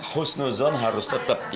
husnuzon harus tetap